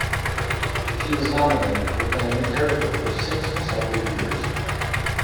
She was nominated for playing the character for six consecutive years.